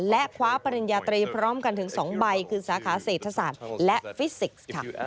และคว้าปริญญาตรีพร้อมกันถึง๒ใบคือสาขาเศรษฐศาสตร์และฟิสิกส์ค่ะ